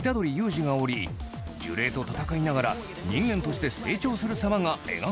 仁がおり呪霊と戦いながら人間として成長する様が描かれていきます